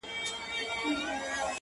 له نیکونو په مېږیانو کي سلطان وو-